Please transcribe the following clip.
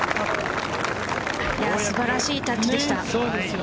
素晴らしいタッチでした。